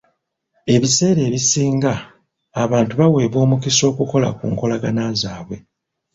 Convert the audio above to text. Ebiseera ebisinga, abantu baweebwa omukisa okukola ku nkolagana zaabwe.